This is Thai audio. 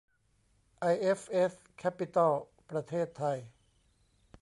ไอเอฟเอส แคปปิตอล ประเทศไทย